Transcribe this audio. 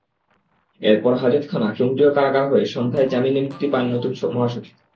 এরপর হাজতখানা, কেন্দ্রীয় কারাগার হয়ে সন্ধ্যায় জামিনে মুক্তি পান নতুন মহাসচিব।